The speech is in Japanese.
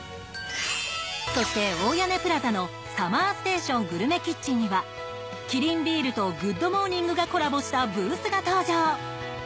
そして大屋根プラザのＳＵＭＭＥＲＳＴＡＴＩＯＮグルメキッチンにはキリンビールと「グッド！モーニング」がコラボしたブースが登場。